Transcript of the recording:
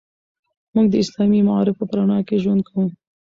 موږ د اسلامي معارفو په رڼا کې ژوند کوو.